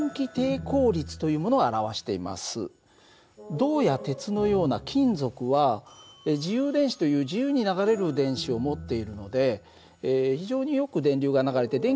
銅や鉄のような金属は自由電子という自由に流れる電子を持っているので非常によく電流が流れて電気低効率がちっちゃい。